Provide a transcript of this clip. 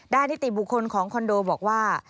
นิติบุคคลของคอนโดบอกว่า